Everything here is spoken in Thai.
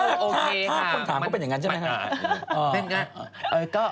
ถ้าคนถามก็เป็นอย่างนั้นใช่ไหมครับ